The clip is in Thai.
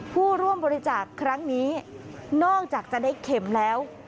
ผู้ร่วมบริจาคครั้งนี้นอกจากจะได้เข็มแล้ว